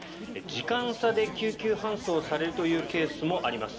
時間差で救急搬送されるというケースもあります。